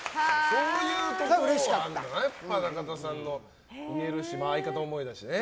そういうところがあるんだよな中田さん、相方思いだしね。